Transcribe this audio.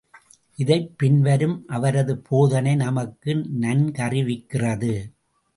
இதைப் பின் வரும் அவரது போதனை நமக்கு நன்கறிவிக்கிறது.